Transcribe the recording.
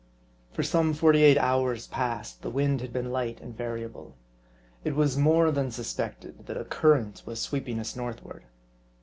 For some forty eight hours past, the wind had been light and variable. It was more than suspected that a current was sweeping us northward.